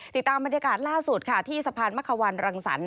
ติดตามบรรยากาศล่าสุดค่ะที่สะพานมะควันรังสรรค